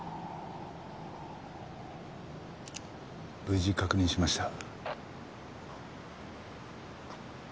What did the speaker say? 無事確認しました。